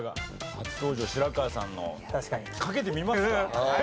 初登場白河さんの賭けてみますか？